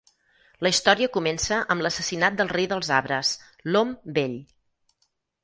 La història comença amb l'assassinat del rei dels arbres, l'Om Vell.